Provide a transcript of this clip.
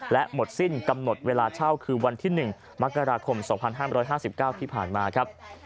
และหมดสิ้นกำหนดเวลาเช่าคือวันที่หนึ่งมกราคมสองพันห้ามร้อยห้าสิบเก้าที่ผ่านมาครับ